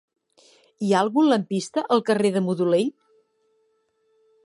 Hi ha algun lampista al carrer de Modolell?